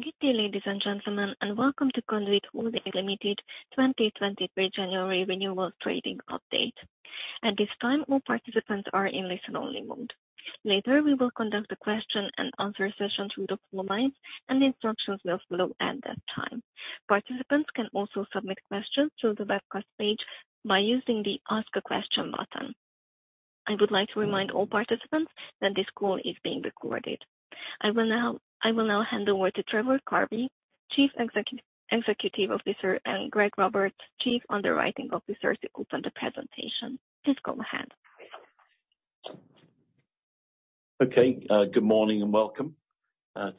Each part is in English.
Good day, ladies and gentlemen, welcome to Conduit Holdings Limited 2023 January Renewals Trading update. At this time, all participants are in listen-only mode. Later, we will conduct a question and answer session through the phone lines, and instructions will follow at that time. Participants can also submit questions through the webcast page by using the Ask a question button. I would like to remind all participants that this call is being recorded. I will now hand over to Trevor Carvey, Chief Executive Officer, and Greg Roberts, Chief Underwriting Officer, to open the presentation. Please go ahead. Okay. Good morning and welcome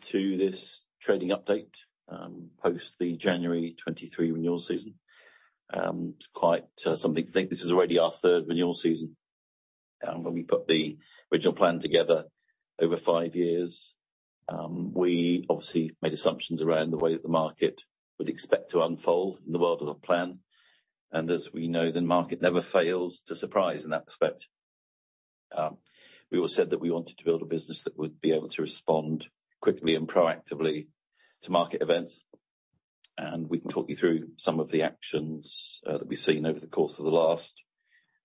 to this trading update post the January 23 renewal season. It's quite something to think this is already our third renewal season. When we put the original plan together over 5 years, we obviously made assumptions around the way that the market would expect to unfold in the world of the plan. As we know, the market never fails to surprise in that respect. We all said that we wanted to build a business that would be able to respond quickly and proactively to market events, and we can talk you through some of the actions that we've seen over the course of the last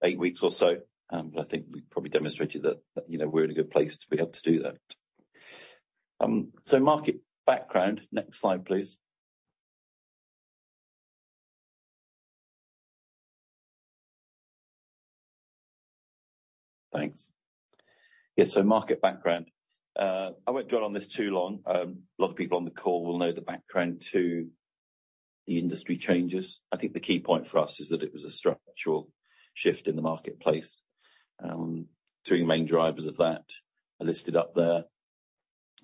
8 weeks or so. I think we probably demonstrated that, you know, we're in a good place to be able to do that. Market background. Next slide, please. Thanks. Market background. I won't dwell on this too long. A lot of people on the call will know the background to the industry changes. I think the key point for us is that it was a structural shift in the marketplace. Three main drivers of that are listed up there.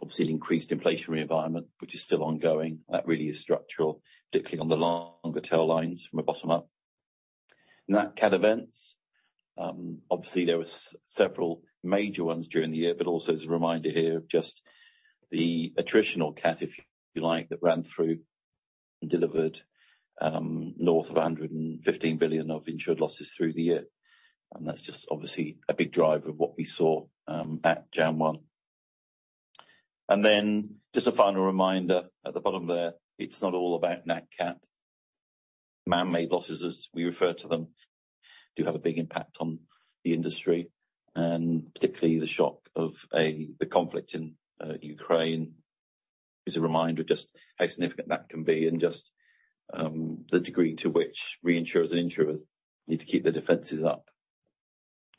Obviously, the increased inflationary environment, which is still ongoing, that really is structural, particularly on the longer tail lines from a bottom up. Nat cat events, obviously there were several major ones during the year, but also as a reminder here of just the attritional cat, if you like, that ran through and delivered north of $115 billion of insured losses through the year. That's just obviously a big driver of what we saw at Jan one. Just a final reminder at the bottom there, it's not all about Nat Cat. Man-made losses, as we refer to them, do have a big impact on the industry, and particularly the shock of the conflict in Ukraine is a reminder of just how significant that can be and just the degree to which reinsurers and insurers need to keep their defenses up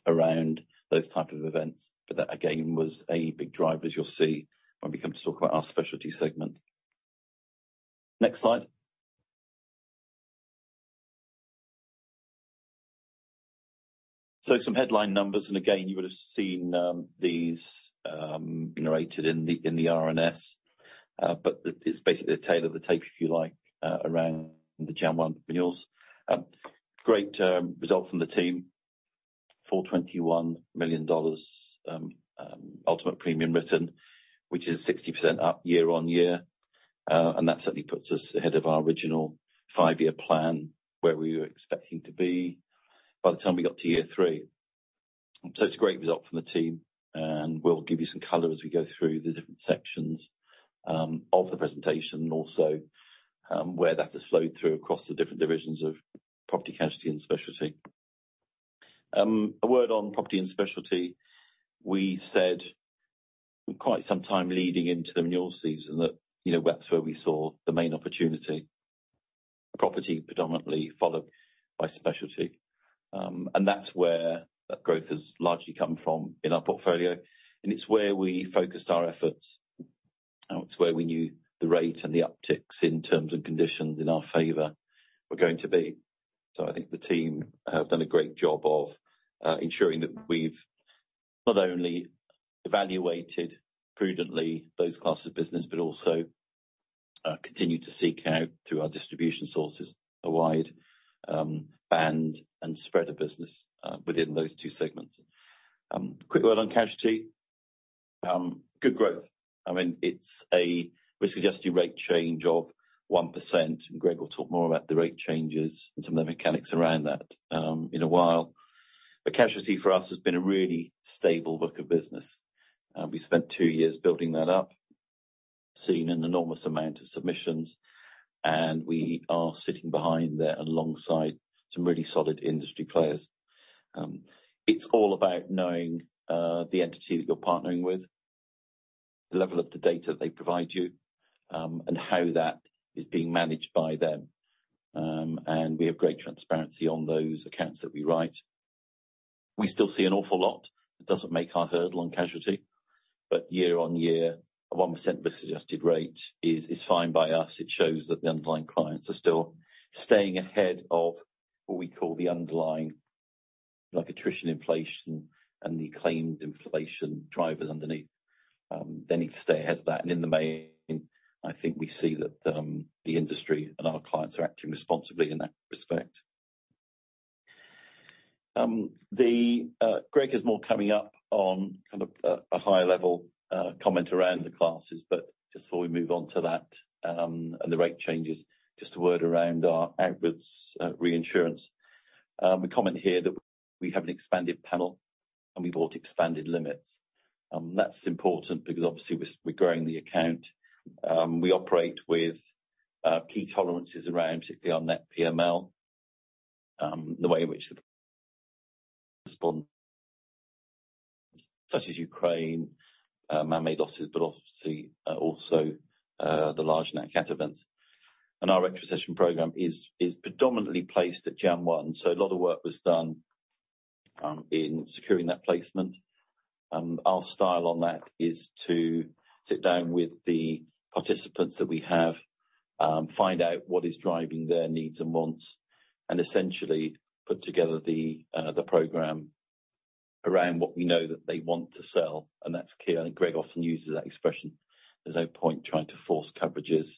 around those type of events. That, again, was a big driver, as you'll see when we come to talk about our specialty segment. Next slide. Some headline numbers, and again, you will have seen these narrated in the RNS, but it's basically a tale of the tape, if you like, around the Jan 1 renewals. Great result from the team. $421 million, ultimate premium written, which is 60% up year-on-year. That certainly puts us ahead of our original five-year plan, where we were expecting to be by the time we got to year three. It's a great result from the team, and we'll give you some color as we go through the different sections of the presentation and also where that has flowed through across the different divisions of property, casualty and specialty. A word on property and specialty. We said quite some time leading into the renewal season that, you know, that's where we saw the main opportunity. Property predominantly followed by specialty. That's where that growth has largely come from in our portfolio, and it's where we focused our efforts. It's where we knew the rate and the upticks in terms and conditions in our favor were going to be. I think the team have done a great job of ensuring that we've not only evaluated prudently those classes of business, but also continued to seek out, through our distribution sources, a wide band and spread of business within those two segments. Quick word on casualty. Good growth. I mean, it's a risk-adjusted rate change of 1%, and Greg will talk more about the rate changes and some of the mechanics around that in a while. Casualty for us has been a really stable book of business. We spent 2 years building that up, seeing an enormous amount of submissions, and we are sitting behind there alongside some really solid industry players. It's all about knowing the entity that you're partnering with, the level of the data they provide you, and how that is being managed by them. We have great transparency on those accounts that we write. We still see an awful lot that doesn't make our hurdle on casualty, but year on year, a 1% risk-adjusted rate is fine by us. It shows that the underlying clients are still staying ahead of what we call the underlying, like attrition inflation and the claimed inflation drivers underneath. They need to stay ahead of that. In the main, I think we see that the industry and our clients are acting responsibly in that respect. Greg has more coming up on kind of a high level, comment around the classes. Just before we move on to that, and the rate changes, just a word around our outwards reinsurance. A comment here that we have an expanded panel and we bought expanded limits. That's important because obviously we're growing the account. We operate with key tolerances around particularly our net PML, the way in which the such as Ukraine, man-made losses, but obviously also the large Nat Cat event. Our retrocession program is predominantly placed at Jan 1, so a lot of work was done in securing that placement. Our style on that is to sit down with the participants that we have, find out what is driving their needs and wants, and essentially put together the program around what we know that they want to sell, and that's key. I think Greg often uses that expression. There's no point trying to force coverages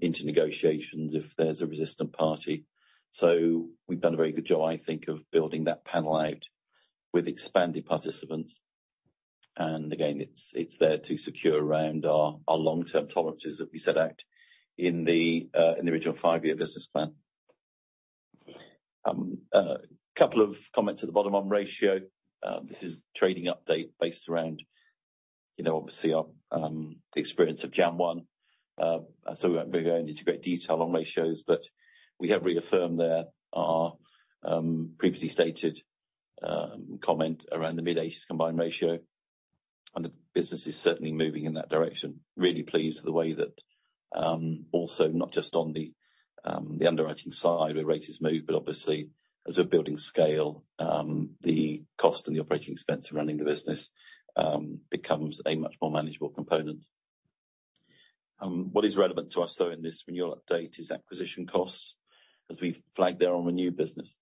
into negotiations if there's a resistant party. We've done a very good job, I think, of building that panel out with expanded participants. Again, it's there to secure around our long-term tolerances that we set out in the original five-year business plan. Couple of comments at the bottom on ratio. This is trading update based around, you know, obviously our the experience of Jan one. So we won't be going into great detail on ratios, but we have reaffirmed there our previously stated comment around the mid-80s combined ratio, and the business is certainly moving in that direction. Really pleased with the way that, also not just on the underwriting side where rates move, but obviously as we're building scale, the cost and the operating expense of running the business becomes a much more manageable component. What is relevant to us though in this renewal update is acquisition costs. As we flagged there on renewed business,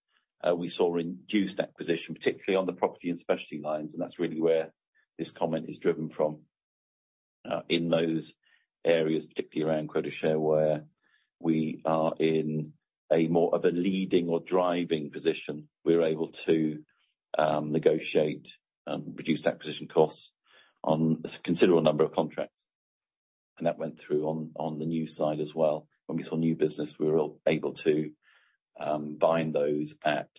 we saw reduced acquisition, particularly on the property and specialty lines, and that's really where this comment is driven from. In those areas, particularly around quota share, where we are in a more of a leading or driving position, we're able to negotiate and reduce acquisition costs on a considerable number of contracts. That went through on the new side as well. When we saw new business, we were able to bind those at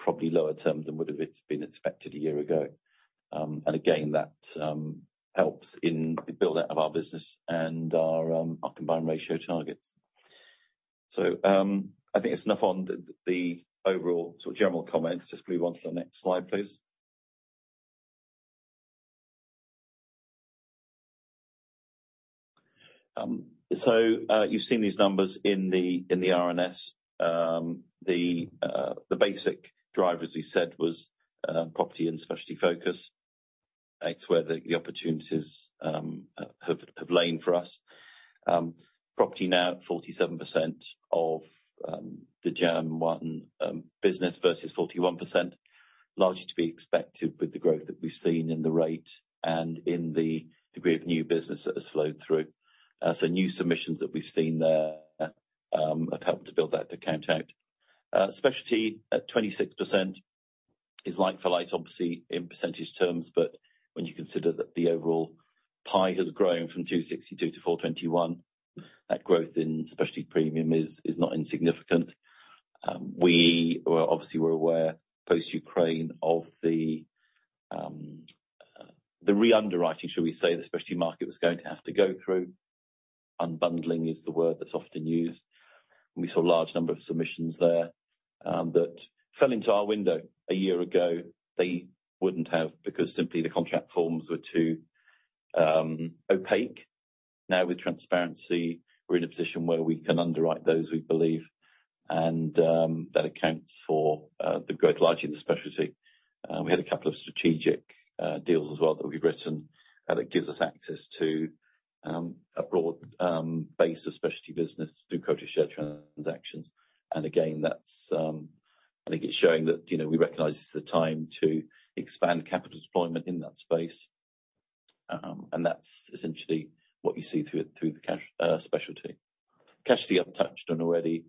probably lower terms than would have it's been expected a year ago. Again, that helps in the build-out of our business and our combined ratio targets. I think that's enough on the overall sort of general comments. Just move on to the next slide, please. You've seen these numbers in the RNS. The basic driver, as we said, was property and specialty focus. It's where the opportunities have lain for us. Property now 47% of the Jan 1 business versus 41%, largely to be expected with the growth that we've seen in the rate and in the degree of new business that has flowed through. New submissions that we've seen there have helped to build that account out. Specialty at 26% is like for like obviously in percentage terms, but when you consider that the overall pie has grown from $262–$421, that growth in specialty premium is not insignificant. We obviously were aware post Ukraine of the re-underwriting, shall we say, the specialty market was going to have to go through. Unbundling is the word that's often used. We saw a large number of submissions there that fell into our window a year ago. They wouldn't have because simply the contract forms were too opaque. Now with transparency, we're in a position where we can underwrite those we believe and that accounts for the growth largely in the specialty. We had a couple of strategic deals as well that we've written that gives us access to a broad base of specialty business through Quota Share transactions. That's, I think it's showing that, you know, we recognize it's the time to expand capital deployment in that space. That's essentially what you see through the cash specialty. Casualty I've touched on already,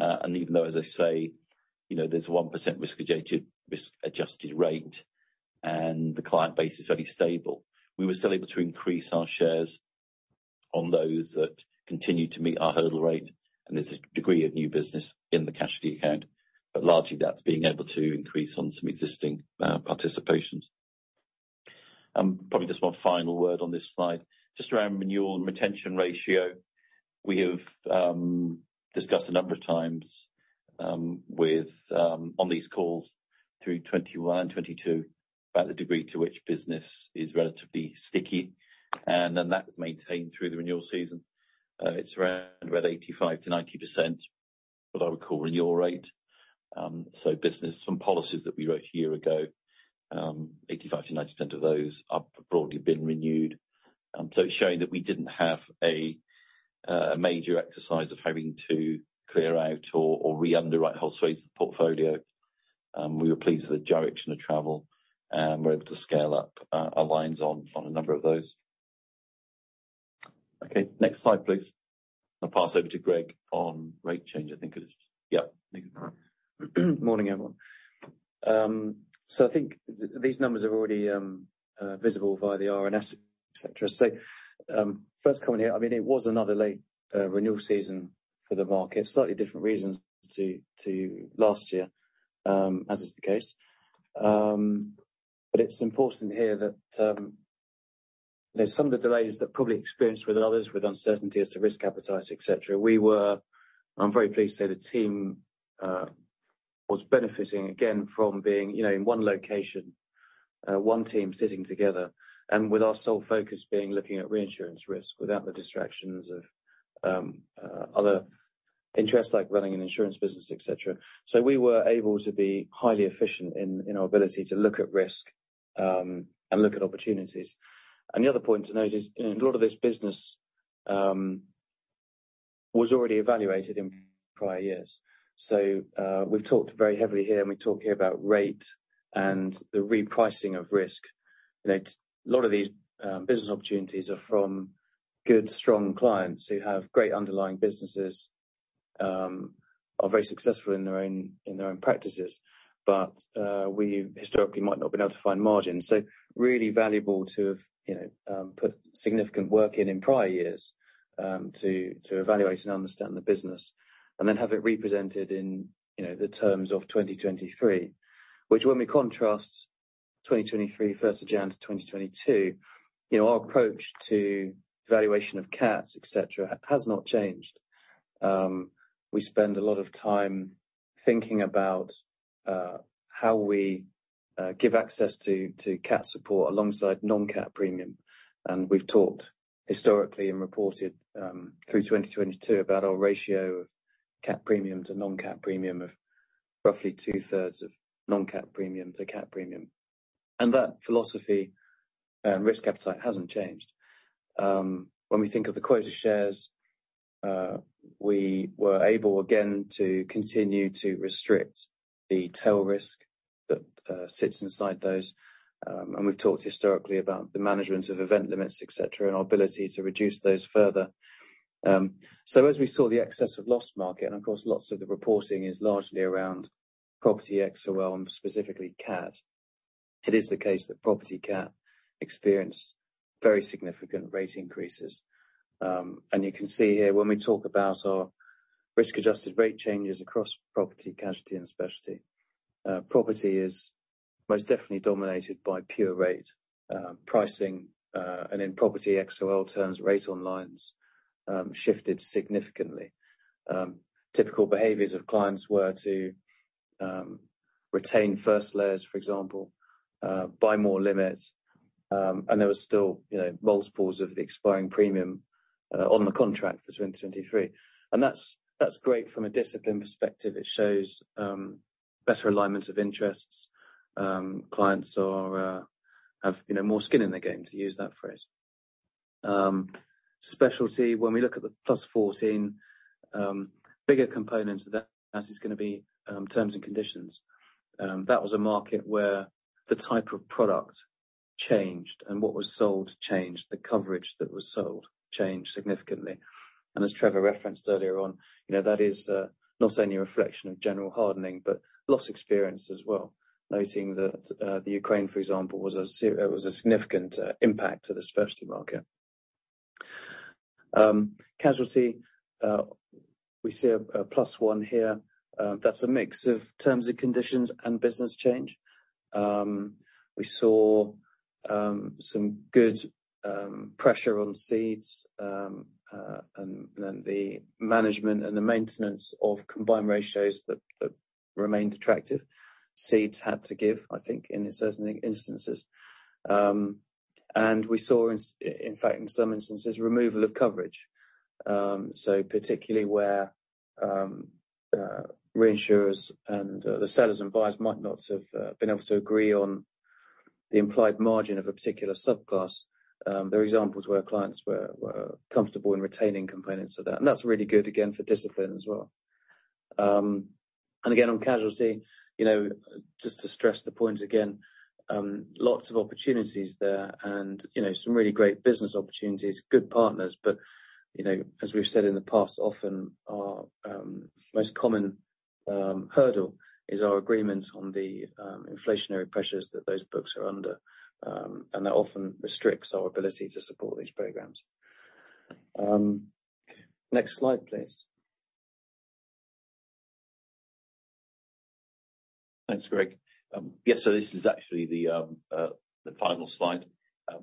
even though, as I say, you know, there's 1% risk-adjusted rate and the client base is fairly stable, we were still able to increase our shares on those that continued to meet our Hurdle Rate, there's a degree of new business in the casualty account, largely that's being able to increase on some existing participations. Probably just one final word on this slide. Just around renewal and retention ratio, we have discussed a number of times with on these calls through 2021 and 2022, about the degree to which business is relatively sticky, and then that's maintained through the renewal season. It's around about 85%–90% what I would call renewal rate. Business from policies that we wrote a year ago, 85%–90% of those have broadly been renewed. It's showing that we didn't have a major exercise of having to clear out or re-underwrite whole swathes of the portfolio. We were pleased with the direction of travel, and we're able to scale up our lines on a number of those. Okay, next slide, please. I'll pass over to Greg on rate change, I think it is. Yeah. Morning, everyone. I think these numbers are already visible via the RNS, et cetera. First comment here, I mean, it was another late renewal season For the market. Slightly different reasons to last year, as is the case. It's important here that, you know, some of the delays that probably experienced with others with uncertainty as to risk appetite, et cetera, I'm very pleased to say the team was benefiting again from being, you know, in one location, one team sitting together, and with our sole focus being looking at reinsurance risk without the distractions of other interests like running an insurance business, et cetera. We were able to be highly efficient in our ability to look at risk and look at opportunities. Another point to note is a lot of this business was already evaluated in prior years. We've talked very heavily here, and we talk here about rate and the repricing of risk. You know, a lot of these business opportunities are from good, strong clients who have great underlying businesses, are very successful in their own, in their own practices. We historically might not be able to find margins. Really valuable to have, you know, put significant work in in prior years, to evaluate and understand the business and then have it represented in, you know, the terms of 2023. Which when we contrast 2023, 1st of Jan to 2022, you know, our approach to valuation of CAT, et cetera, has not changed. We spend a lot of time thinking about how we give access to CAT support alongside non-CAT premium. We've talked historically and reported through 2022 about our ratio of CAT premium to non-CAT premium of roughly two-thirds of non-CAT premium to CAT premium. That philosophy and risk appetite hasn't changed. When we think of the Quota Shares, we were able again to continue to restrict the tail risk that sits inside those. We've talked historically about the management of event limits, et cetera, and our ability to reduce those further. As we saw the Excess of Loss market, and of course, lots of the reporting is largely around property XOL and specifically CAT, it is the case that property CAT experienced very significant rate increases. You can see here when we talk about our risk-adjusted rate changes across property, casualty, and specialty, property is most definitely dominated by pure rate pricing, and in property XOL terms, Rate on Lines shifted significantly. Typical behaviors of clients were to retain first layers, for example, buy more limits, and there was still, you know, multiples of the expiring premium on the contract for 2023. That's great from a discipline perspective. It shows better alignment of interests. Clients are have, you know, more skin in the game, to use that phrase. Specialty, when we look at the +14, bigger components of that is gonna be terms and conditions. That was a market where the type of product changed and what was sold changed. The coverage that was sold changed significantly. As Trevor referenced earlier on, you know, that is not only a reflection of general hardening, but loss experience as well. Noting that the Ukraine, for example, was a significant impact to the specialty market. Casualty, we see a +1 here. That's a mix of terms and conditions and business change. We saw some good pressure on cedes and the management and the maintenance of combined ratios that remained attractive. Cedes had to give, I think, in certain instances. We saw in fact, in some instances, removal of coverage. Particularly where reinsurers and the sellers and buyers might not have been able to agree on the implied margin of a particular subclass. There are examples where clients were comfortable in retaining components of that, and that's really good again for discipline as well. Again, on casualty, you know, just to stress the point again, lots of opportunities there and, you know, some really great business opportunities, good partners. You know, as we've said in the past, often our most common hurdle is our agreement on the inflationary pressures that those books are under, and that often restricts our ability to support these programs. Next slide, please. Thanks, Greg. Yes, so this is actually the final slide.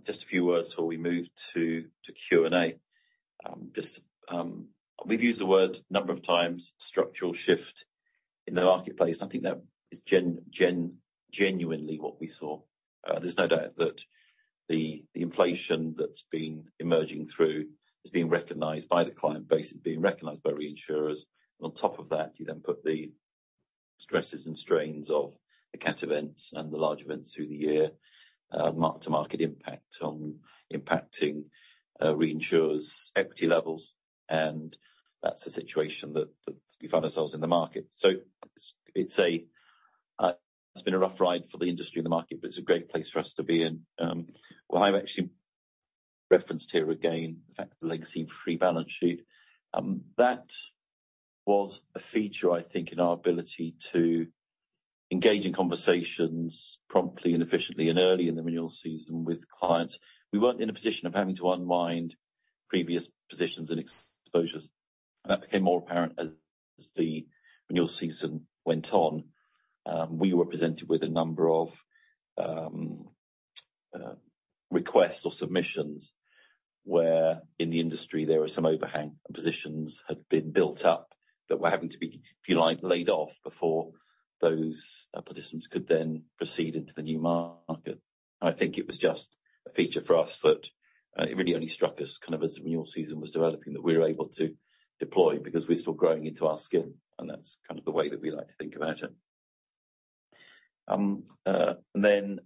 Just a few words before we move to Q&A. Just, we've used the word a number of times, structural shift in the marketplace, and I think that is genuinely what we saw. There's no doubt that the inflation that's been emerging through is being recognized by the client base and being recognized by reinsurers. On top of that, you then put the stresses and strains of the CAT events and the large events through the year, to market impact on impacting reinsurers' equity levels, and that's the situation that we find ourselves in the market. It's been a rough ride for the industry and the market, but it's a great place for us to be in. Well, I've actually referenced here again the fact that the legacy free balance sheet that was a feature, I think, in our ability. Engaging conversations promptly and efficiently and early in the renewal season with clients. We weren't in a position of having to unwind previous positions and exposures, and that became more apparent as the renewal season went on. We were presented with a number of requests or submissions where in the industry there were some overhang and positions had been built up that were having to be, if you like, laid off before those participants could then proceed into the new market. I think it was just a feature for us that it really only struck us kind of as the renewal season was developing, that we were able to deploy because we're still growing into our skin, and that's kind of the way that we like to think about it. Then,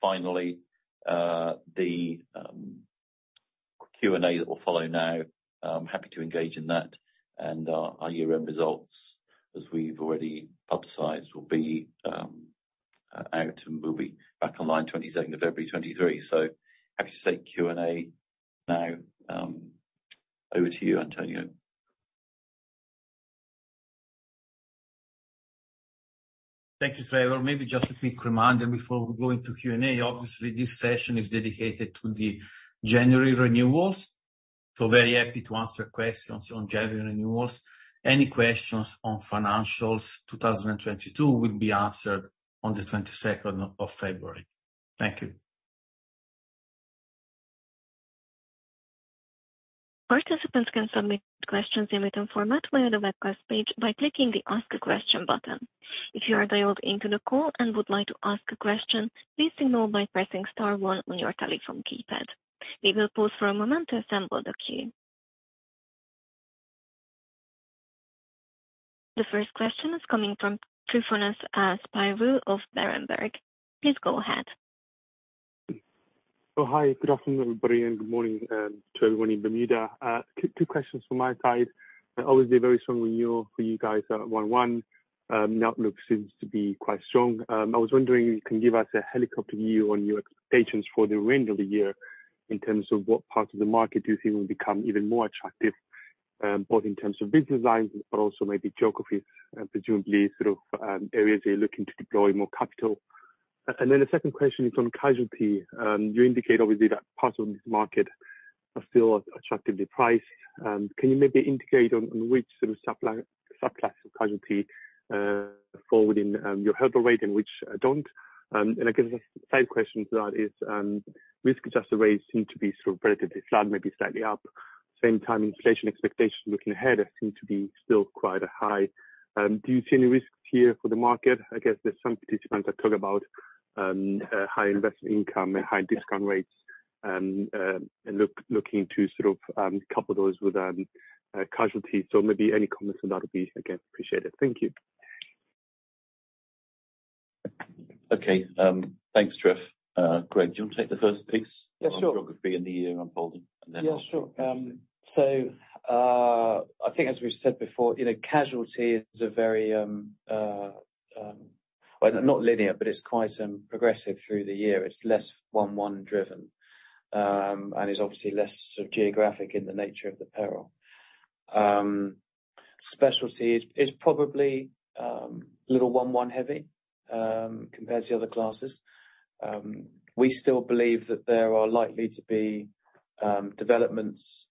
finally, the Q&A that will follow now, I'm happy to engage in that. Our, our year-end results, as we've already publicized, will be out and we'll be back online 22nd of February 2023. Happy to take Q&A now. Over to you, Antonio. Thank you, Trevor. Maybe just a quick reminder before we go into Q&A. Obviously, this session is dedicated to the January renewals, so very happy to answer questions on January renewals. Any questions on financials 2022 will be answered on the 22nd of February. Thank you. Participants can submit questions in written format via the webcast page by clicking the Ask a Question button. If you are dialed into the call and would like to ask a question, please signal by pressing star 1 on your telephone keypad. We will pause for a moment to assemble the queue. The first question is coming from Tryfonas Spyrou of Berenberg. Please go ahead. Hi. Good afternoon, everybody, and good morning to everyone in Bermuda. Two questions from my side. Obviously, a very strong renewal for you guys at 1/1. That seems to be quite strong. I was wondering if you can give us a helicopter view on your expectations for the remainder of the year in terms of what part of the market do you think will become even more attractive, both in terms of business lines but also maybe geography, presumably sort of areas you're looking to deploy more capital. The second question is on casualty. You indicate obviously that parts of this market are still attractively priced. Can you maybe indicate on which sort of subclass of casualty fall within your Hurdle Rate and which don't? I guess a side question to that is, risk-adjusted rates seem to be sort of relatively flat, maybe slightly up. Same time, inflation expectations looking ahead seem to be still quite high. Do you see any risks here for the market? I guess there's some participants that talk about high investment income and high discount rates, looking to sort of couple those with casualty. Maybe any comments on that would be, again, appreciated. Thank you. Thanks, Tryf. Greg, do you want to take the first. Yeah, sure. On geography and the year unfolding, and then I'll. Yeah, sure. I think as we've said before, you know, casualty is a very, well not linear, but it's quite progressive through the year. It's less 1/1 driven. It's obviously less sort of geographic in the nature of the peril. Specialty is probably a little 1/1 heavy compared to the other classes. We still believe that there are likely to be developments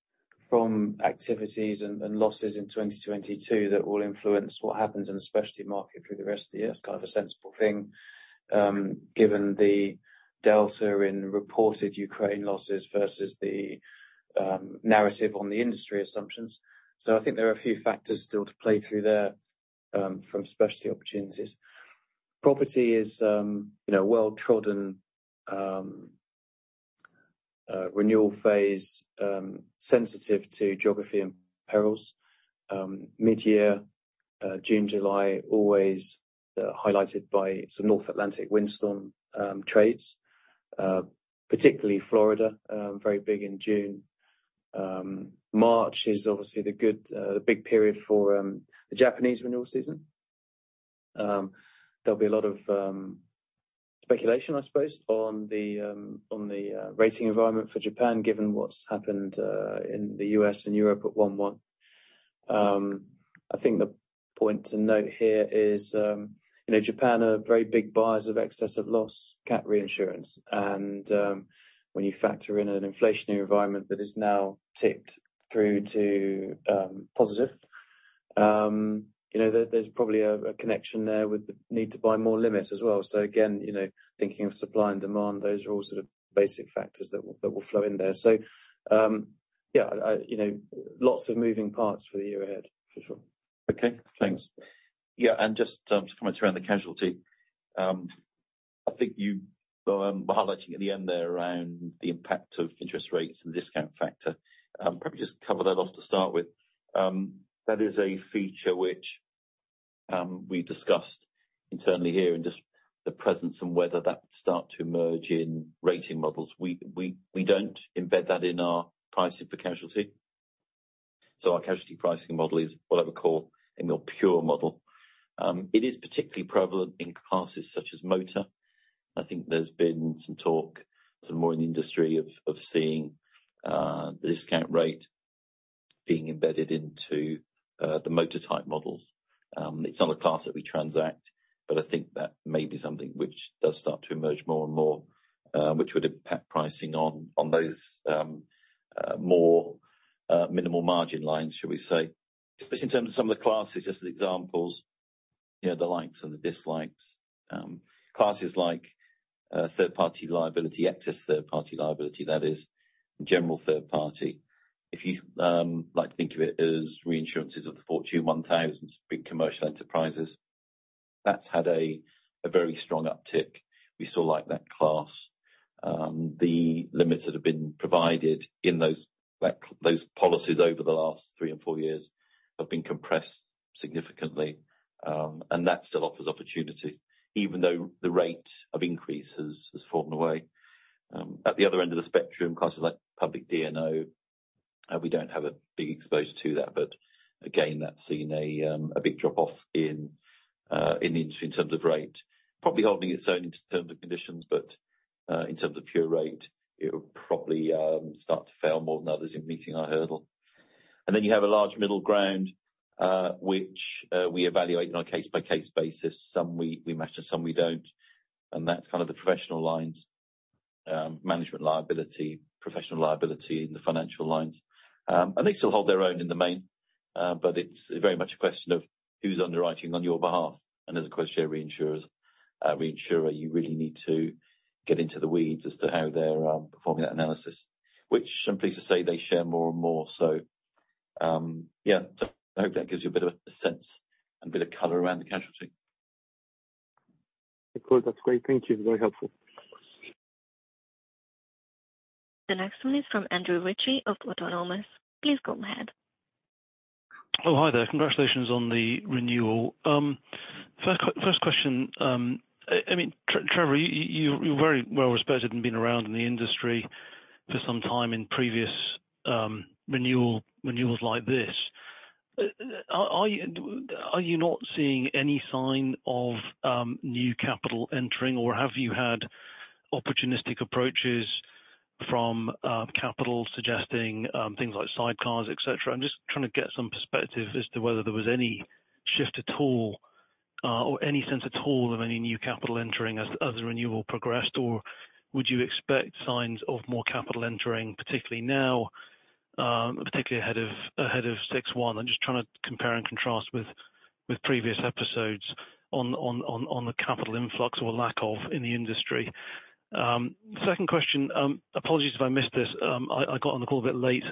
from activities and losses in 2022 that will influence what happens in the specialty market through the rest of the year. It's kind of a sensible thing, given the delta in reported Ukraine losses versus the narrative on the industry assumptions. I think there are a few factors still to play through there from specialty opportunities. Property is, you know, well-trodden renewal phase, sensitive to geography and perils. Mid-year, June, July, always highlighted by some North Atlantic windstorm trades, particularly Florida, very big in June. March is obviously the big period for the Japanese renewal season. There'll be a lot of speculation, I suppose, on the rating environment for Japan, given what's happened in the U.S. and Europe at 1/1. I think the point to note here is, you know, Japan are very big buyers of Excess of Loss CAT reinsurance. When you factor in an inflationary environment that has now ticked through to positive, you know, there's probably a connection there with the need to buy more limits as well. Again, you know, thinking of supply and demand, those are all sort of basic factors that will flow in there. Yeah, I, you know, lots of moving parts for the year ahead, for sure. Thanks. Just comments around the casualty. I think you were highlighting at the end there around the impact of interest rates and the discount factor. Probably just cover that off to start with. That is a feature which we discussed internally here and just the presence and whether that would start to emerge in rating models. We don't embed that in our pricing for casualty, so our casualty pricing model is what I would call a more pure model. It is particularly prevalent in classes such as motor. I think there's been some talk, sort of more in the industry of seeing the discount rate being embedded into the motor type models. It's not a class that we transact, but I think that may be something which does start to emerge more and more, which would impact pricing on those, more, minimal margin lines, shall we say. Just in terms of some of the classes, just as examples, you know, the likes and the dislikes, classes like, third-party liability, excess third-party liability, that is, and general third party. If you like to think of it as reinsurances of the Fortune 1000 big commercial enterprises, that's had a very strong uptick. We still like that class. The limits that have been provided in those, like, those policies over the last 3 and 4 years have been compressed significantly, and that still offers opportunities, even though the rate of increase has fallen away. At the other end of the spectrum, classes like public D&O, we don't have a big exposure to that, but again, that's seen a big drop-off in the industry in terms of rate. Probably holding its own in terms of conditions, but in terms of pure rate, it will probably start to fail more than others in meeting our hurdle. You have a large middle ground, which we evaluate on a case-by-case basis. Some we match and some we don't, and that's kind of the professional lines, management liability, professional liability, and the financial lines. They still hold their own in the main, but it's very much a question of who's underwriting on your behalf. As a Quota Share reinsurer, you really need to get into the weeds as to how they're performing that analysis, which I'm pleased to say they share more and more. Yeah, I hope that gives you a bit of a sense and a bit of color around the casualty. Of course. That's great. Thank you. Very helpful. The next one is from Andrew Ritchie of Autonomous. Please go ahead. Hi there. Congratulations on the renewal. First question, I mean, Trevor, you're very well respected and been around in the industry for some time in previous renewals like this. Are you not seeing any sign of new capital entering, or have you had opportunistic approaches from capital suggesting things like sidecars, et cetera? I'm just trying to get some perspective as to whether there was any shift at all, or any sense at all of any new capital entering as the renewal progressed, or would you expect signs of more capital entering, particularly now, particularly ahead of 6/1? I'm just trying to compare and contrast with previous episodes on the capital influx or lack of in the industry. Second question. Apologies if I missed this. I got on the call a bit late.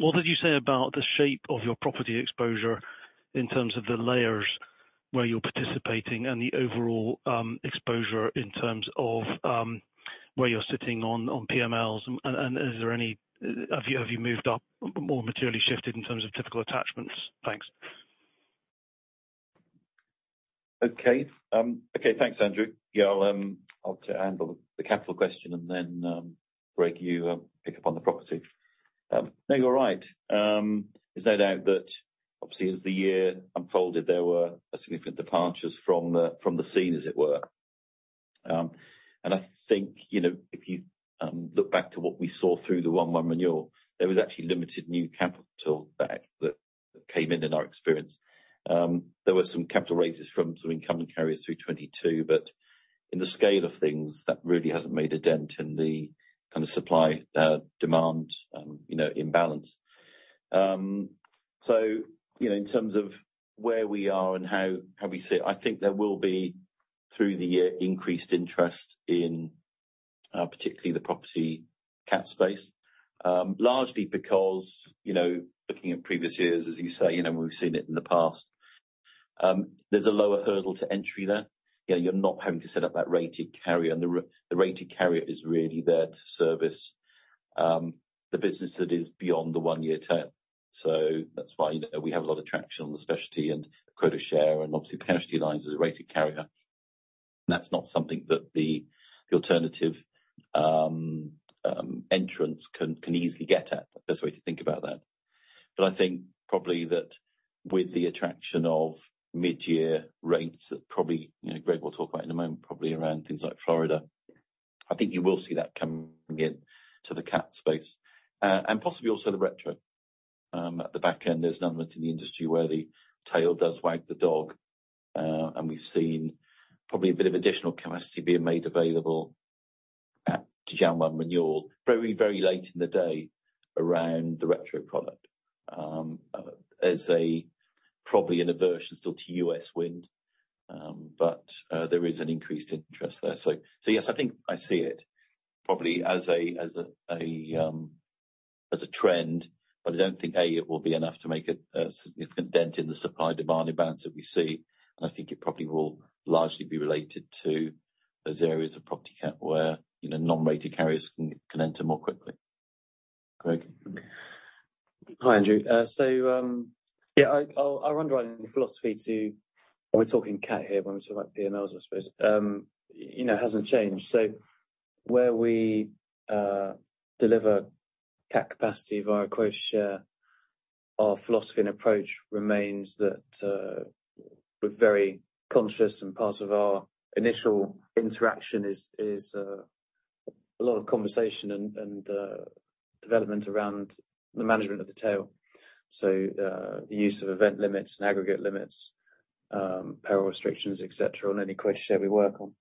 What did you say about the shape of your property exposure in terms of the layers where you're participating and the overall exposure in terms of where you're sitting on PMLs? Have you moved up or more materially shifted in terms of typical attachments? Thanks. Okay. Okay. Thanks, Andrew. Yeah, I'll handle the capital question and then Greg, you pick up on the property. No, you're right. There's no doubt that obviously as the year unfolded, there were significant departures from the, from the scene as it were. I think, you know, if you look back to what we saw through the 1/1 renewal, there was actually limited new capital that came in our experience. There were some capital raises from some incumbent carriers through 2022, but in the scale of things, that really hasn't made a dent in the kind of supply, demand, you know, imbalance. You know, in terms of where we are and how we see it, I think there will be through the year increased interest in particularly the property CAT space, largely because, you know, looking at previous years, as you say, you know, we've seen it in the past, there's a lower hurdle to entry there. You know, you're not having to set up that rated carrier, and the rated carrier is really there to service the business that is beyond the one-year term. That's why, you know, we have a lot of traction on the specialty and Quota Share and obviously the casualty lines as a rated carrier. That's not something that the alternative entrants can easily get at. Best way to think about that. I think probably that with the attraction of mid-year rates that probably, you know, Greg will talk about in a moment, probably around things like Florida, I think you will see that coming in to the cat space. Possibly also the retrocession. At the back end, there's an element in the industry where the tail does wag the dog, and we've seen probably a bit of additional capacity being made available at January renewal, very, very late in the day around the retrocession product, as a probably an aversion still to U.S. Wind, but there is an increased interest there. Yes, I think I see it probably as a trend, but I don't think, A, it will be enough to make a significant dent in the supply-demand imbalance that we see. I think it probably will largely be related to those areas of property CAT where, you know, non-rated carriers can enter more quickly. Greg. Hi, Andrew. Our underwriting philosophy to, when we're talking cat here, when we talk about PMLs, I suppose, you know, hasn't changed. Where we deliver cat capacity via Quota Share, our philosophy and approach remains that we're very conscious and part of our initial interaction is a lot of conversation and development around the management of the tail. The use of event limits and aggregate limits, peril restrictions, et cetera, on any Quota Share we work on.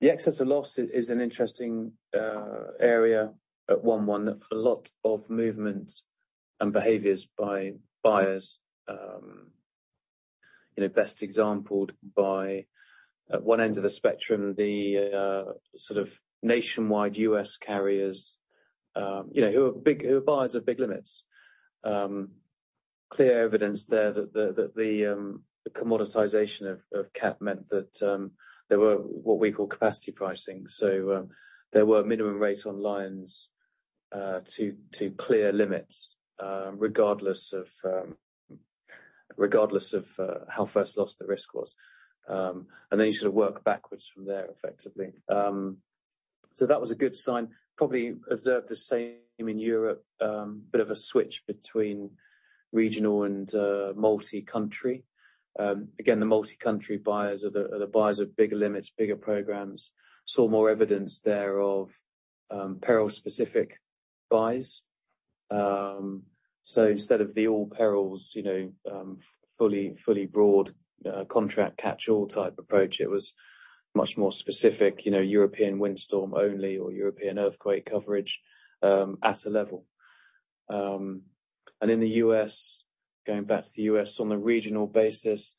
The Excess of Loss is an interesting area at 1/1 that a lot of movement and behaviors by buyers, you know, best exampled by at one end of the spectrum, the sort of nationwide U.S. carriers, you know, who are buyers of big limits. Clear evidence there that the commoditization of CAT meant that there were what we call capacity pricing. There were minimum rates on lines to clear limits, regardless of how first loss the risk was. You sort of work backwards from there effectively. That was a good sign. Probably observed the same in Europe. Bit of a switch between regional and multi-country. Again, the multi-country buyers are the buyers of bigger limits, bigger programs. Saw more evidence there of peril specific buys. Instead of the all perils, you know, fully broad contract catch-all type approach, it was much more specific, you know, European windstorm only or European earthquake coverage at a level. In the U.S. Going back to the U.S. on a regional basis,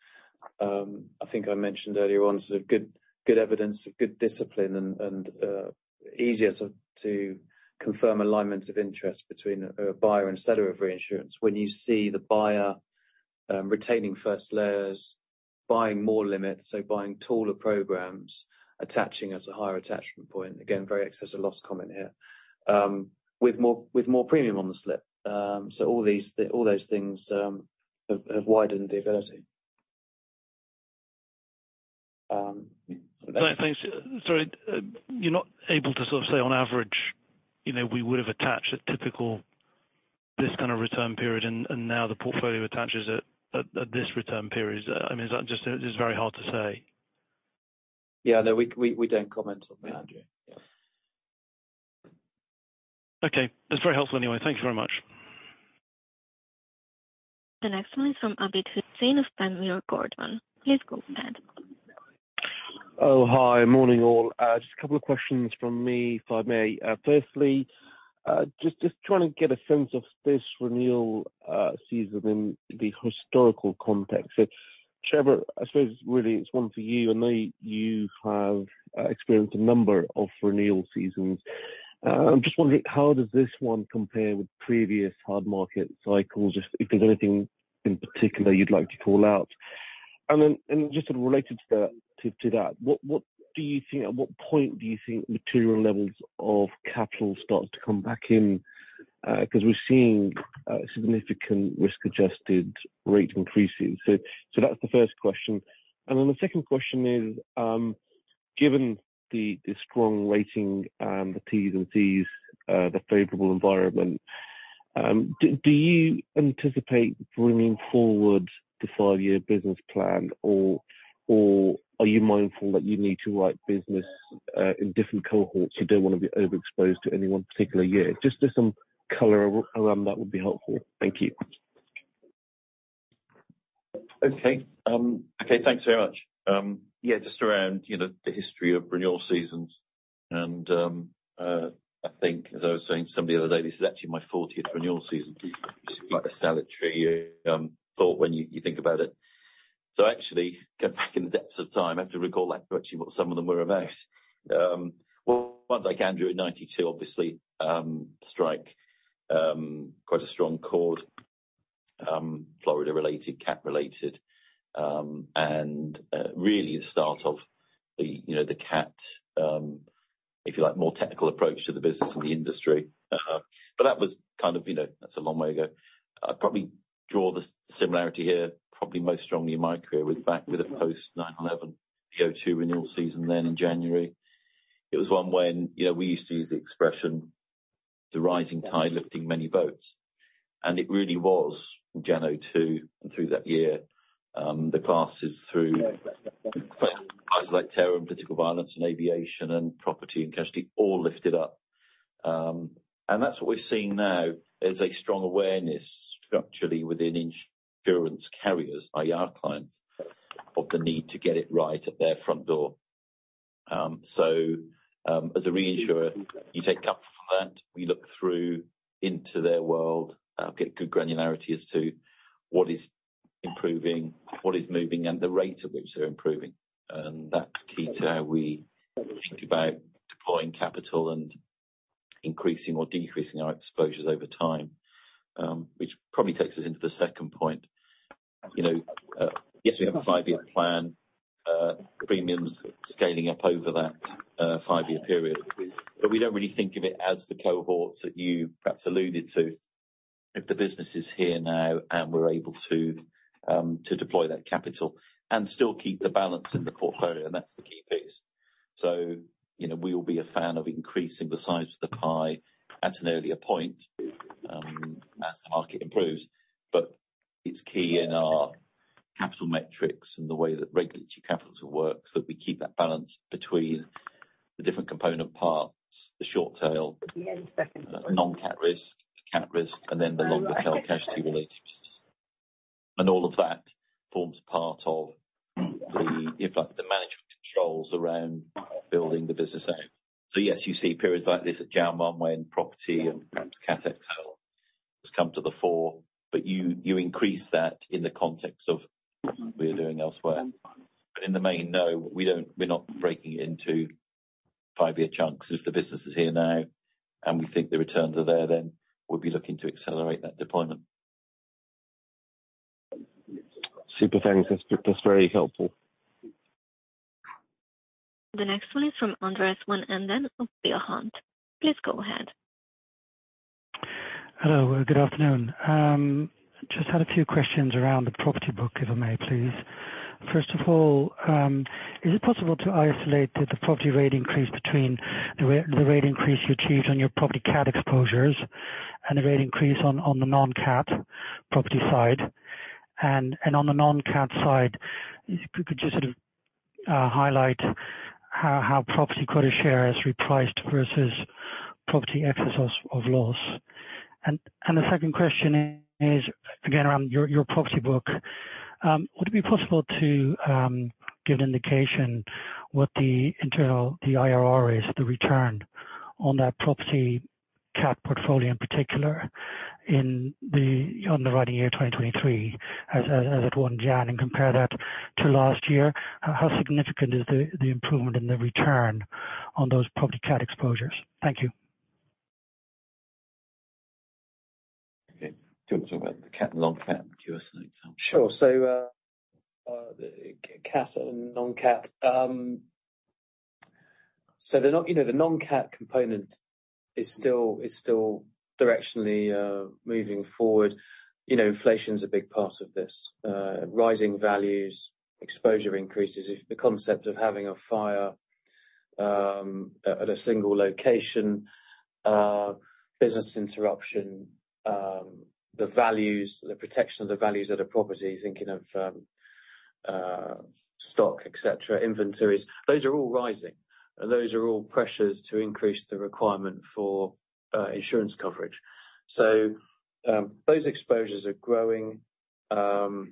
I think I mentioned earlier on, sort of good evidence, good discipline and easier to confirm alignment of interest between a buyer and seller of reinsurance. When you see the buyer retaining first layers, buying more limit, so buying taller programs, attaching as a higher attachment point, again, very excess of loss comment here, with more premium on the slip. All those things have widened the ability. Thanks. Sorry, you're not able to sort of say on average, you know, we would have attached a typical this kind of return period and now the portfolio attaches at this return period. I mean, is that just it is very hard to say? Yeah, no, we don't comment on that, yeah. Okay. That's very helpful anyway. Thank you very much. The next one is from Abid Hussain of Panmure Gordon. Please go ahead. Oh, hi. Morning, all. Just a couple of questions from me, if I may. Firstly, just trying to get a sense of this renewal season in the historical context. Trevor, I suppose really it's one for you. I know you have experienced a number of renewal seasons. I'm just wondering how does this one compare with previous hard market cycles? If there's anything in particular you'd like to call out. Then, just sort of related to that, at what point do you think material levels of capital starts to come back in? 'Cause we're seeing significant risk-adjusted rate increases. That's the first question. The second question is, given the strong rating, the Ts and Cs, the favorable environment, do you anticipate bringing forward the five-year business plan or are you mindful that you need to write business in different cohorts, you don't wanna be overexposed to any one particular year? Just some color around that would be helpful. Thank you. Okay. Okay. Thanks very much. Just around, you know, the history of renewal seasons and, I think as I was saying to somebody the other day, this is actually my 40th renewal season. It's quite a salutary thought when you think about it. Actually go back in the depths of time. I have to recall actually what some of them were about. Well, ones I can do at 92 obviously strike quite a strong chord, Florida-related, CAT related, and really the start of the, you know, the CAT, if you like, more technical approach to the business and the industry. That was kind of, you know, that's a long way ago. I'd probably draw the similarity here probably most strongly in my career with back with the post 9/11 '02 renewal season then in January. It was one when, you know, we used to use the expression, the rising tide lifting many boats. It really was Jan 02 and through that year, the classes through like terror and political violence and aviation and property and casualty all lifted up. That's what we're seeing now is a strong awareness structurally within insurance carriers, i.e. our clients, of the need to get it right at their front door. As a reinsurer, you take comfort from that. We look through into their world, get good granularity as to what is improving, what is moving, and the rate at which they're improving. That's key to how we think about deploying capital and increasing or decreasing our exposures over time. Which probably takes us into the second point. You know, yes, we have a five-year plan, premiums scaling up over that, five-year period, but we don't really think of it as the cohorts that you perhaps alluded to. If the business is here now and we're able to deploy that capital and still keep the balance in the portfolio, and that's the key piece. You know, we will be a fan of increasing the size of the pie at an earlier point, as the market improves. It's key in our capital metrics and the way that regulatory capital works, that we keep that balance between the different component parts, the short tail, non-CAT risk, CAT risk, and then the longer-tail casualty related business. All of that forms part of the, in fact, the management controls around building the business out. Yes, you see periods like this at Jan one when property and perhaps CAT ex tail has come to the fore, but you increase that in the context of what we're doing elsewhere. In the main, no, we're not breaking into five-year chunks. If the business is here now and we think the returns are there, then we'll be looking to accelerate that deployment. Super. Thanks. That's very helpful. The next one is from Andreas van Embden from Hunt. Please go ahead. Hello. Good afternoon. Just had a few questions around the property book, if I may, please. First of all, is it possible to isolate the property rate increase between the rate increase you achieved on your property CAT exposures and the rate increase on the non-CAT property side? On the non-CAT side, could you sort of highlight how property Quota Share is repriced versus property Excess of Loss? The second question is, again, around your property book. Would it be possible to give an indication what the internal IRR is, the return on that property CAT portfolio in particular on the running year 2023 as at 1 Jan, compare that to last year? How significant is the improvement in the return on those property CAT exposures? Thank you. Okay. Do you want to talk about the CAT and non-CAT and give us an example? Sure. The CAT and non-CAT. The non- you know, the non-CAT component is still directionally moving forward. You know, inflation is a big part of this. Rising values, exposure increases. If the concept of having a fire at a single location, business interruption, the values, the protection of the values at a property, thinking of stock, et cetera, inventories, those are all rising, and those are all pressures to increase the requirement for insurance coverage. Those exposures are growing. You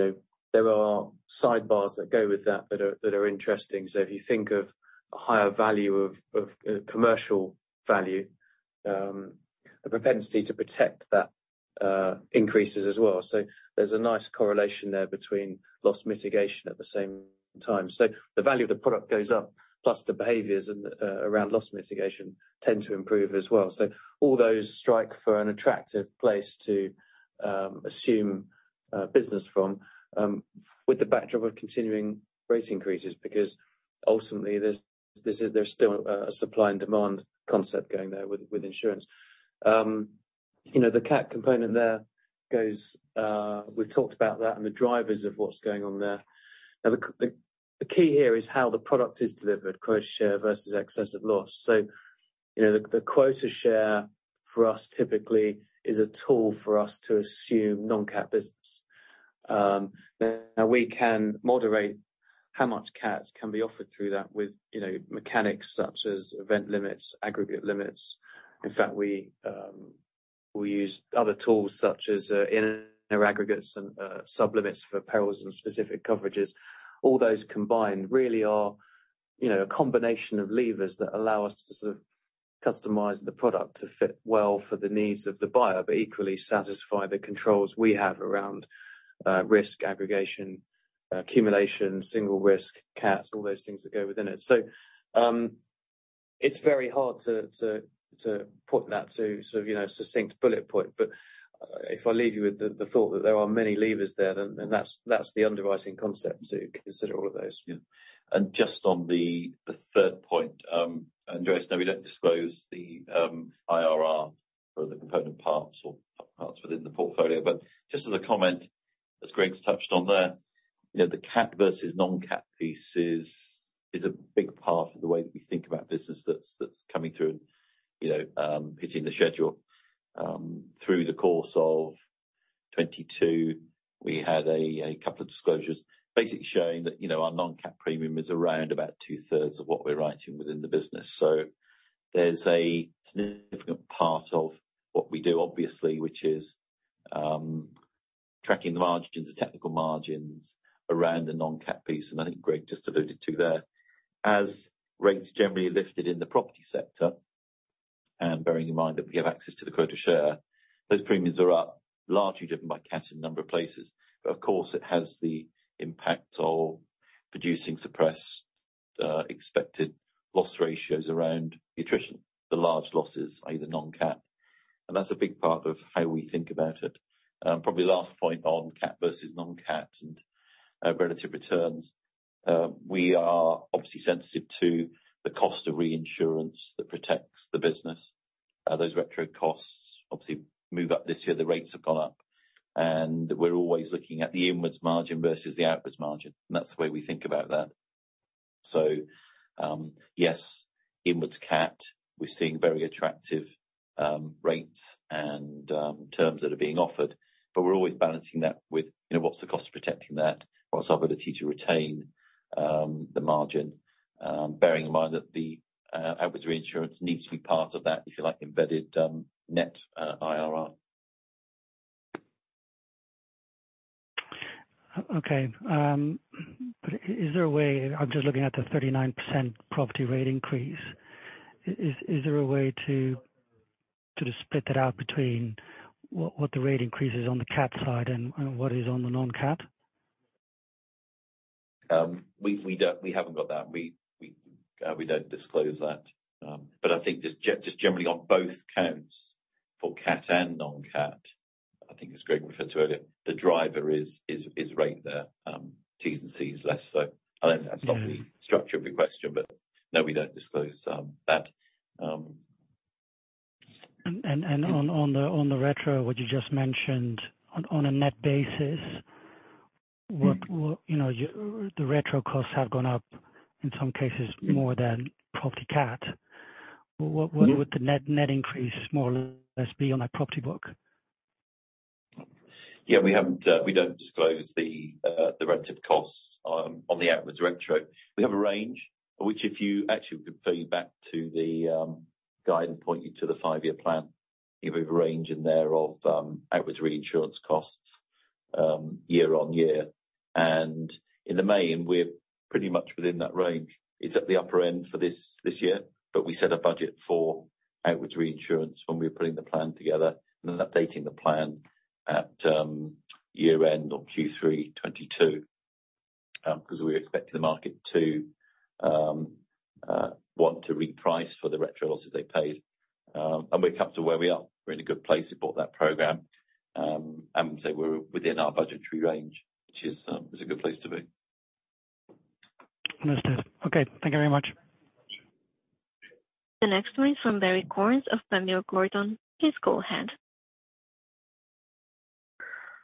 know, there are sidebars that go with that that are interesting. If you think of a higher value of commercial value, a propensity to protect that increases as well. There's a nice correlation there between loss mitigation at the same time. The value of the product goes up, plus the behaviors and around loss mitigation tend to improve as well. All those strike for an attractive place to assume business from with the backdrop of continuing rate increases, because ultimately, there's still a supply and demand concept going there with insurance. You know, the CAT component there goes, we've talked about that and the drivers of what's going on there. Now, the key here is how the product is delivered, Quota Share versus Excess of Loss. You know, the Quota Share for us typically is a tool for us to assume non-CAT business. Then we can moderate how much CAT can be offered through that with, you know, mechanics such as event limits, aggregate limits. In fact, we use other tools such as inner aggregates and sublimits for perils and specific coverages. All those combined really are, you know, a combination of levers that allow us to sort of customize the product to fit well for the needs of the buyer, but equally satisfy the controls we have around risk aggregation, accumulation, single risk, CAT, all those things that go within it. It's very hard to put that to sort of, you know, succinct bullet point, but if I leave you with the thought that there are many levers there, then that's the underwriting concept to consider all of those. Yeah. Just on the third point, Andreas. No, we don't disclose the IRR for the component parts or parts within the portfolio. Just as a comment, as Greg's touched on there, you know, the CAT versus non-CAT piece is a big part of the way that we think about business that's coming through and, you know, hitting the schedule. Through the course of 22, we had a couple of disclosures basically showing that, you know, our non-CAT premium is around about 2/3 of what we're writing within the business. There's a significant part of what we do, obviously, which is tracking the margins, the technical margins around the non-CAT piece, and I think Greg just alluded to there. As rates generally lifted in the property sector, and bearing in mind that we have access to the quota share, those premiums are up, largely driven by CAT in a number of places. Of course, it has the impact of producing suppressed, expected loss ratios around the attrition. The large losses are either non-CAT, and that's a big part of how we think about it. Probably last point on CAT versus non-CAT and relative returns. We are obviously sensitive to the cost of reinsurance that protects the business. Those retrocession costs obviously move up this year. The rates have gone up. We're always looking at the inwards margin versus the outwards margin, and that's the way we think about that. Yes, inwards CAT, we're seeing very attractive rates and terms that are being offered, but we're always balancing that with, you know, what's the cost of protecting that, what's our ability to retain the margin, bearing in mind that the outwards reinsurance needs to be part of that, if you like, embedded net IRR. Okay. Is there a way, I'm just looking at the 39% property rate increase, to split that out between what the rate increase is on the CAT side and what is on the non-CAT? We don't, we haven't got that. We don't disclose that. I think generally on both counts for CAT and non-CAT, I think as Greg referred to earlier, the driver is right there. Ts and Cs less so. I think that's not the structure of your question, but no, we don't disclose that. On the retrocession, what you just mentioned on a net basis, what, you know, the retrocession costs have gone up in some cases more than property CAT, what would the net increase more or less be on a property book? Yeah, we haven't, we don't disclose the retrocession costs, on the outwards retrocession. We have a range, which if you actually could fill you back to the, guide and point you to the five-year plan. We have a range in there of, outwards reinsurance costs, year on year. In the main, we're pretty much within that range. It's at the upper end for this year, but we set a budget for outwards reinsurance when we were putting the plan together and updating the plan at, year-end or Q3 2022, 'cause we're expecting the market to, want to reprice for the retrocession losses they paid. We've come to where we are. We're in a good place to support that program, and so we're within our budgetary range, which is a good place to be. Understood. Okay, thank you very much. The next one is from Barrie Cornes of Panmure Gordon. Please go ahead.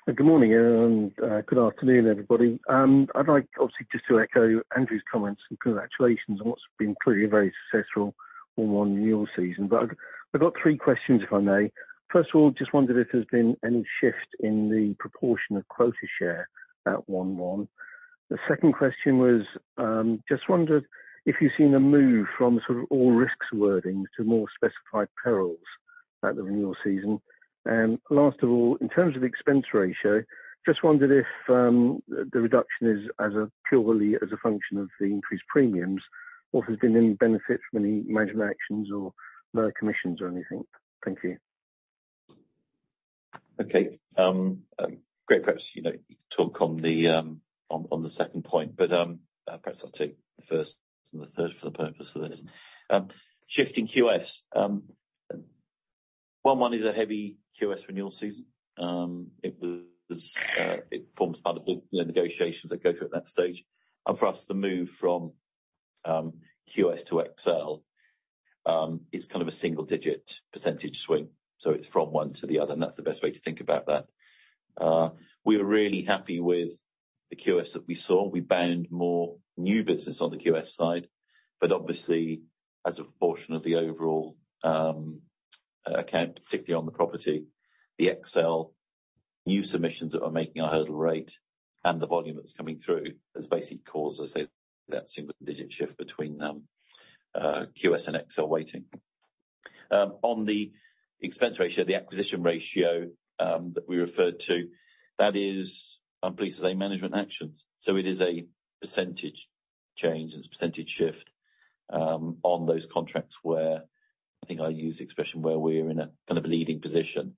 Good morning, and good afternoon, everybody. I'd like, obviously, just to echo Andrew's comments and congratulations on what's been clearly a very successful 1/1 renewal season. I've got 3 questions, if I may. First of all, just wondered if there's been any shift in the proportion of quota share at 1/1. The second question was, just wondered if you've seen a move from sort of all risks wording to more specified perils at the renewal season. Last of all, in terms of expense ratio, just wondered if the reduction is as a purely as a function of the increased premiums, or if there's been any benefit from any management actions or lower commissions or anything? Thank you. Okay. Great. Perhaps, you know, talk on the second point. Perhaps I'll take the first and the third for the purpose of this. Shift in QS. 1/1 is a heavy QS renewal season. It was, it forms part of the negotiations that go through at that stage. For us, the move from QS to XL is kind of a single-digit % swing, so it's from one to the other, and that's the best way to think about that. We're really happy with the QS that we saw. We bound more new business on the QS side, obviously as a proportion of the overall account, particularly on the property, the XL new submissions that are making our hurdle rate and the volume that's coming through has basically caused, as I say, that single-digit shift between QS and XL weighting. On the expense ratio, the acquisition ratio that we referred to, that is, I'm pleased to say, management actions. It is a % change and % shift on those contracts where I think I use the expression where we're in a kind of leading position,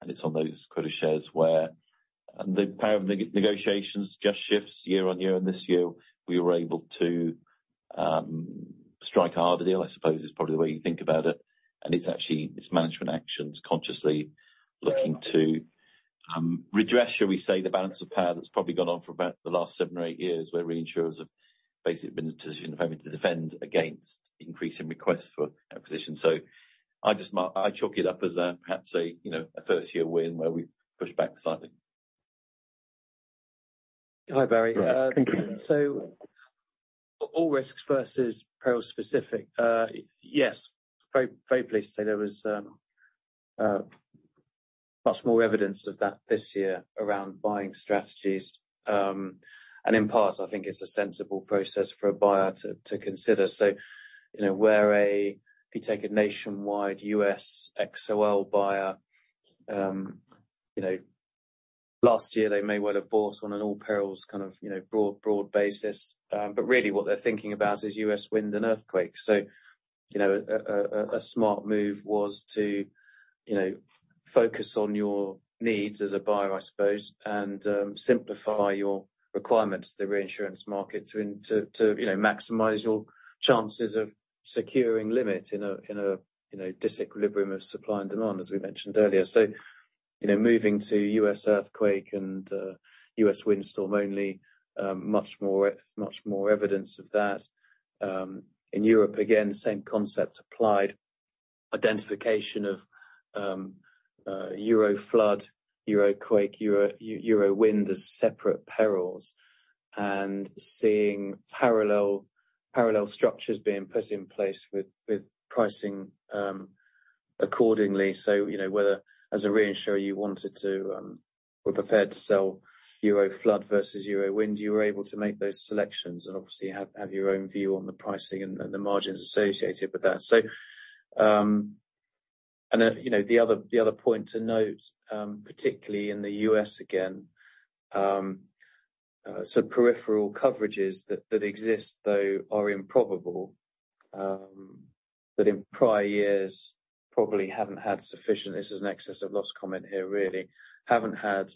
and it's on those quota shares where the power of negotiations just shifts year-on-year, and this year we were able to strike a harder deal, I suppose, is probably the way you think about it. It's actually, it's management actions consciously looking to redress, shall we say, the balance of power that's probably gone on for about the last seven or eight years, where reinsurers have basically been in a position of having to defend against increasing requests for acquisition. I just I chalk it up as a perhaps a, you know, a first year win where we push back slightly. Hi, Barrie. Thank you. All risks versus peril-specific. Yes, very, very pleased to say there was much more evidence of that this year around buying strategies. In part, I think it's a sensible process for a buyer to consider. You know, where a, if you take a nationwide U.S. XOL buyer, you know, last year, they may well have bought on an all perils kind of, you know, broad basis. But really what they're thinking about is U.S. wind and earthquakes. You know, a, a smart move was to, you know, focus on your needs as a buyer, I suppose, and simplify your requirements to the reinsurance market to, to, you know, maximize your chances of securing limit in a, in a, in a disequilibrium of supply and demand, as we mentioned earlier. You know, moving to U.S. earthquake and U.S. windstorm only, much more evidence of that. In Europe, again, same concept applied. Identification of European Flood, European earthquake, European windstorm as separate perils, and seeing parallel structures being put in place with pricing accordingly. You know, whether as a reinsurer you wanted to or preferred to sell European Flood versus European windstorm, you were able to make those selections and obviously have your own view on the pricing and the margins associated with that. You know, the other point to note, particularly in the U.S. again, so peripheral coverages that exist though are improbable, that in prior years probably haven't had sufficient. This is an Excess of Loss comment here, really. Haven't had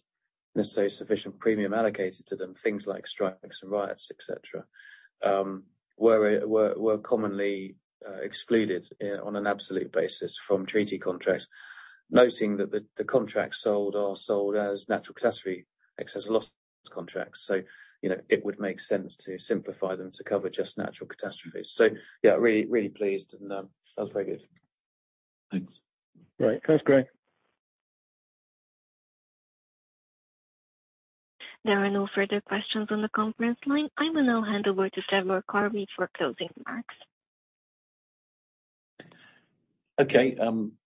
necessarily sufficient premium allocated to them, things like strikes and riots, et cetera, were commonly excluded on an absolute basis from treaty contracts. Noting that the contracts sold are sold as Natural Catastrophe Excess Loss contracts. You know, it would make sense to simplify them to cover just natural catastrophes. Yeah, really, really pleased and that was very good. Thanks. Great. Thanks, Greg. There are no further questions on the conference line. I will now hand over to Trevor Carvey for closing remarks. Okay,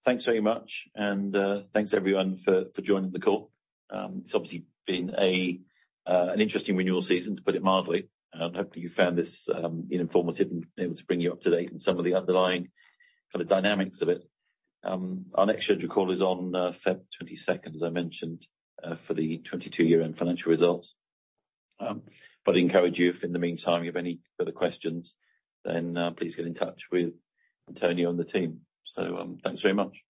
thanks very much, and thanks everyone for joining the call. It's obviously been an interesting renewal season, to put it mildly. Hopefully you found this informative and able to bring you up to date on some of the underlying kind of dynamics of it. Our next scheduled call is on February 22nd, as I mentioned, for the 2022 year-end financial results. I encourage you if in the meantime you have any further questions, please get in touch with Antonio and the team. Thanks very much.